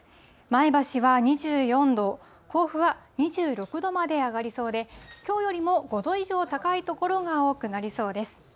前橋は２４度、甲府は２６度まで上がりそうで、きょうよりも５度以上高い所が多くなりそうです。